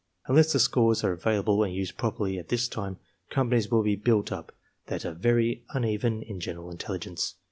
Unless the scores are available and used properly at this time, companies will be built up that are very uneven in general intelligence.